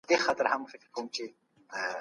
بهرنی سیاست د هیواد لپاره نړیوال ملګري پیدا کوي.